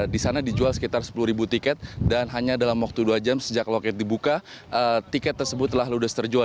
di sana dijual sekitar sepuluh ribu tiket dan hanya dalam waktu dua jam sejak loket dibuka tiket tersebut telah ludes terjual